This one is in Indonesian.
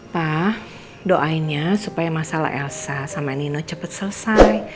pak doainya supaya masalah elsa sama nino cepet selesai